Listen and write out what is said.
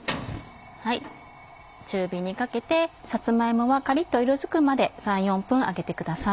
中火にかけてさつま芋がカリっと色づくまで３４分揚げてください。